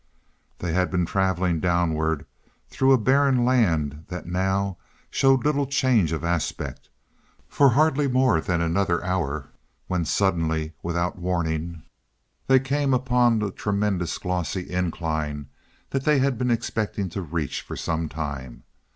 They had been traveling downward, through a barren land that now showed little change of aspect, for hardly more than another hour, when suddenly, without warning, they came upon the tremendous glossy incline that they had been expecting to reach for some time.